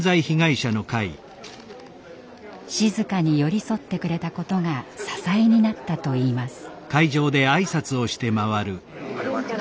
静かに寄り添ってくれたことが支えになったといいます。